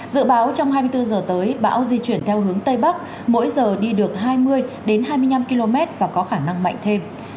dự báo trong hai mươi bốn h tới bão di chuyển theo hướng tây bắc mỗi giờ đi được hai mươi hai mươi năm km và có khả năng mạnh thêm